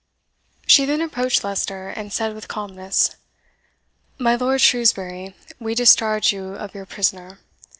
She then approached Leicester, and said with calmness, "My Lord Shrewsbury, we discharge you of your prisoner.